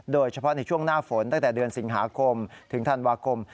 โดยเฉพาะในช่วงหน้าฝนตั้งแต่เดือนสิงหาคมถึงธันวาคม